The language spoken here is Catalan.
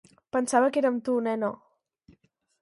Pensava que era amb tu, nena!